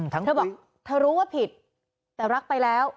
เธอบอกเธอรู้ว่าผิดแต่รักไปแล้ว